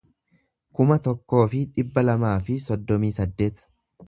kuma tokkoo fi dhibba lamaa fi soddomii saddeet